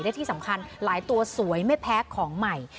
และที่สำคัญหลายตัวสวยไม่แพ้ของใหม่